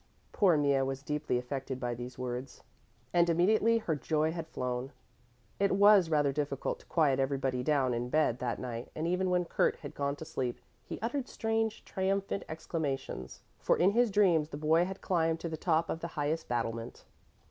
Poor Mea was deeply affected by these words, and immediately her joy had flown. It was rather difficult to quiet everybody down in bed that night and even when Kurt had gone to sleep he uttered strange triumphant exclamations, for in his dreams the boy had climbed to the top of the highest battlement.